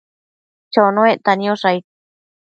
Chonuecta niosh aid ?